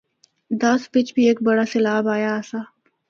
دس بچ بھی ہک بڑا سیلاب آیا آسا۔